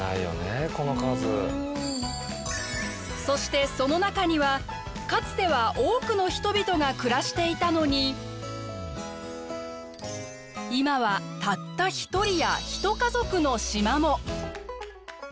そしてその中にはかつては多くの人々が暮らしていたのに今はたった一人や一家族の島も。